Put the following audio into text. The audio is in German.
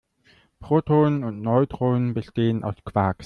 Protonen und Neutronen bestehen aus Quarks.